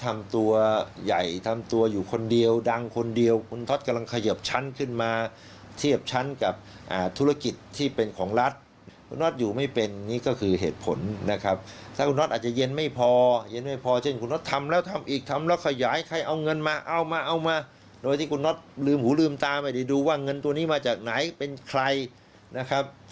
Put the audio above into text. ไม่ได้ดูว่าเงินตัวนี้มาจากไหนเป็นใครนะครับ